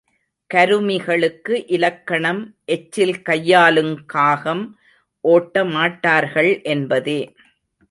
கருமிகளுக்கு இலக்கணம் எச்சில் கையாலுங் காகம் ஒட்ட மாட்டார்கள் என்பதே.